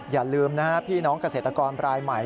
อย่าลืมนะฮะพี่น้องเกษตรกรรายใหม่